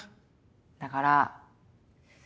だから。